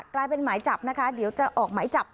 กลายเป็นหมายจับนะคะเดี๋ยวจะออกหมายจับ